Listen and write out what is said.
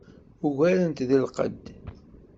Ugaren-t deg lqedd.